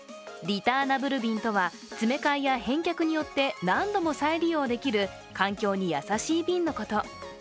リターナブル瓶とは、詰め替えや返却によって何度も再利用できる環境に優しい瓶のこと。